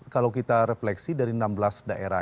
kalau kita refleksi dari enam belas daerah